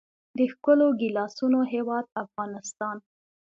د ښکلو ګیلاسونو هیواد افغانستان.